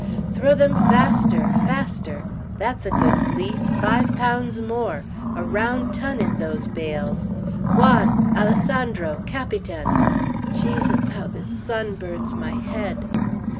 "Throw them faster, faster! That's a good fleece; five pounds more; a round ton in those bales. Juan! Alessandro! Captain! Jesus, how this sun burns my head!"